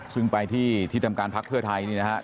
ซึ่งไปที่ที่ทำการพักเพื่อไทยนี่นะครับ